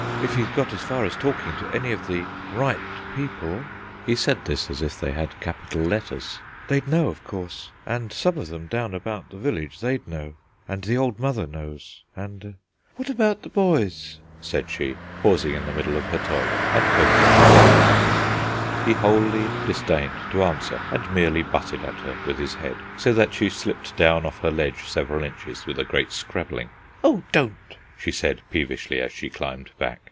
If he's got as far as talking to any of the Right People (he said this as if they had capital letters), they'd know, of course; and some of them down about the village, they'd know; and the Old Mother knows, and " "What about the boys?" said she, pausing in the middle of her toilet and poking her head up at him. He wholly disdained to answer, and merely butted at her with his head, so that she slipped down off her ledge several inches, with a great scrabbling. "Oh, don't!" she said peevishly, as she climbed back.